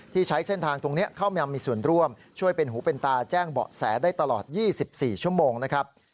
ใช้เส้นทางตรงนี้เข้ามามีส่วนร่วมช่วยเป็นหูเป็นตาแจ้งเบาะแสได้ตลอด๒๔ชั่วโมงนะครับ